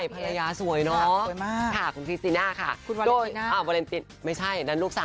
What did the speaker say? ภรรยาสวยเนอะคุณพีชสีหน้าค่ะคุณวาเลนตินไม่ใช่นั่นลูกสาว